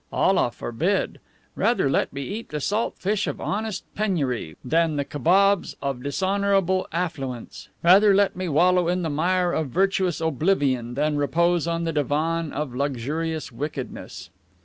Allah forbid! Rather let me eat the salt fish of honest penury, than the kibobs of dishonorable affluence; rather let me wallow in the mire of virtuous oblivion, than repose on the divan of luxurious wickedness."